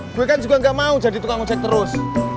gue kan juga nggak mau jadi tukang ojek terus